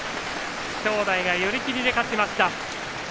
正代、寄り切りで勝ちました。